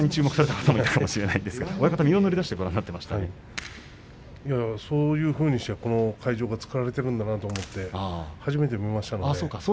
親方も身を乗り出してご覧にいや、そういうふうにして会場が作られているんだなというのを初めて知りました。